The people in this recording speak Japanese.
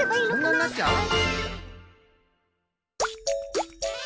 そんなになっちゃう？